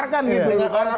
orang kampung dan desa ini